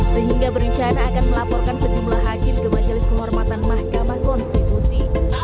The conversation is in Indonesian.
sehingga berencana akan melaporkan sejumlah hakim ke majelis kehormatan mahkamah konstitusi